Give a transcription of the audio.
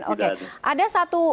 tidak ada tidak ada